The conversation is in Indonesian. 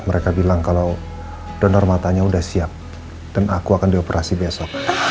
mereka bilang kalau donor matanya udah siap dan aku akan di operasi besok